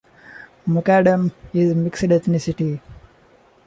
Mukadam is mixed-ethnicity.